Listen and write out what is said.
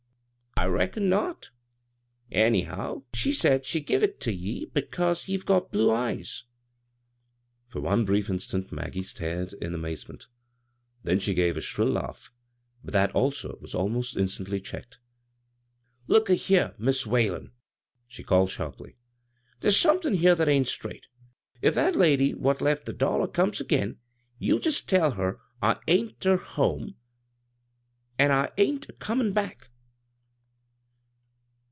"" I reckon not Anyhow, she said she give it to ye 'cause ye've got blue eyes." For one brief instant Maggie stared in amazement ; then she gave a shrill laugh — but that, also, was almost iostandy checked, " Look a here, Mis' Whalen," she called sharply. " There's somethin' here that ain't straight. If that lady what left the dollar comes again, you just tell her I ain't ter home, an' that I ain't a cotnin' back.